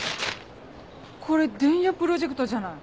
これ伝弥プロジェクトじゃない！